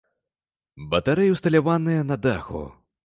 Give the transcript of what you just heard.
Батарэі ўсталяваныя на даху.